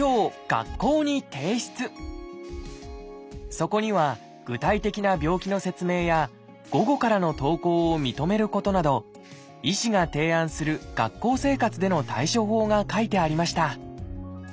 そこには具体的な病気の説明や午後からの登校を認めることなど医師が提案する学校生活での対処法が書いてありました。